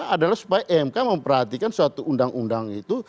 adalah supaya mk memperhatikan suatu undang undang itu